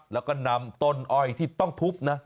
แล้วก็นำต้นอ้อยที่ต้องทุบนะ